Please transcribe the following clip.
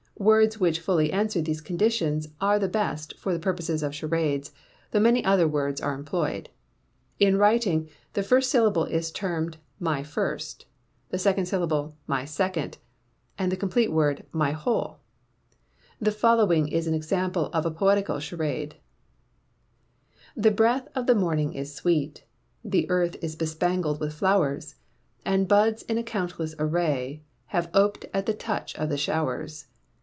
Words which fully answer these conditions are the best for the purposes of charades; though many other words are employed. In writing, the first syllable is termed "My first," the second syllable "My second," and the complete word "My whole." The following is an example of a Poetical Charade: The breath of the morning is sweet; The earth is bespangled with flowers, And buds in a countless array Have ope'd at the touch of the showers.